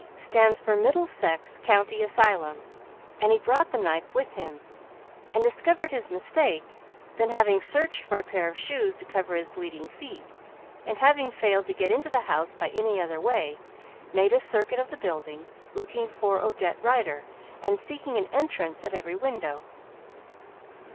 stand for Middlesex County Asylum, and he brought the knife with him and discovered his mistake; then, having searched for a pair of shoes to cover his bleeding feet, and having failed to get into the house by any other way, made a circuit of the building, looking for Odette Rider and seeking an entrance at every window."